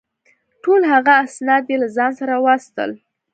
ټول هغه اسناد یې له ځان سره وساتل.